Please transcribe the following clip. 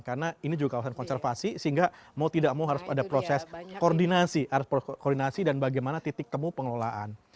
karena ini juga kawasan konservasi sehingga mau tidak mau harus ada proses koordinasi dan bagaimana titik temu pengelolaan